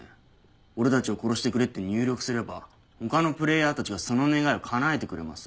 俺たちを殺してくれって入力すれば他のプレイヤーたちがその願いを叶えてくれます。